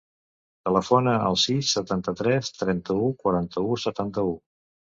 Telefona al sis, setanta-tres, trenta-u, quaranta-u, setanta-u.